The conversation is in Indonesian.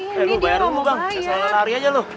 eh lu bayar dulu bang kesel lari aja lu